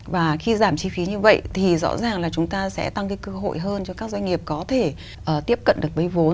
và khi giảm chi phí như vậy thì rõ ràng là chúng ta sẽ tăng cái cơ hội hơn cho các doanh nghiệp có thể tiếp cận được với vốn